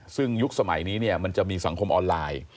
ซึ่งยุคสมัยนี้เนี่ยมันจะมีสังคมออนไลน์